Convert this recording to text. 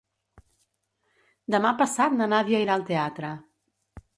Demà passat na Nàdia irà al teatre.